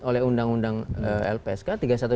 oleh undang undang lpsk